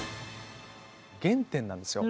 原点なんですよ。